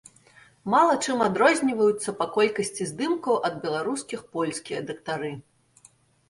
Мала чым адрозніваюцца па колькасці здымкаў ад беларускіх польскія дактары.